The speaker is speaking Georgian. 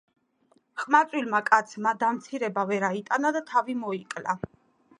ყმაწვილმა კაცმა დამცირება ვერ აიტანა და თავი მოიკლა.